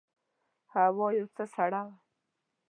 هوا یو څه سړه وه.